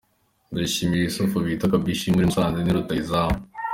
Ndayishimiye Yousouf bita Kabishi, muri Musanze ni rutahizamu.